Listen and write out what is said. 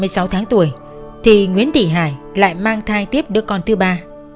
ba mươi sáu tháng tuổi thì nguyễn thị hải lại mang thai tiếp đứa con thứ ba